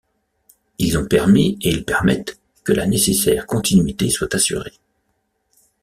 Ils ont permis et ils permettent que la nécessaire continuité soit assurée.